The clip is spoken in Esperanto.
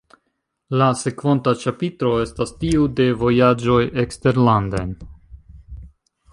La sekvonta ĉapitro estas tiu de la vojaĝoj eksterlanden.